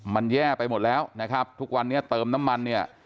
มันแย่ไปหมดแล้วนะครับทุกวันนี้เติมน้ำมันเนี่ย